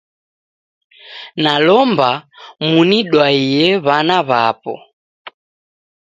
Nalomba munidwaye wana wapo